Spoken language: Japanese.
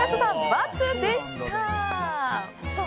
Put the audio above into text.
×でした。